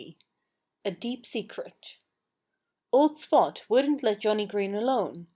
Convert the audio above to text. V A DEEP SECRET Old Spot wouldn't let Johnnie Green alone.